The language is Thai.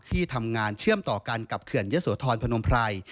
ที่ทำงานเชื่อมต่อกันกับเขื่อนเยอะโสธรพนมไพร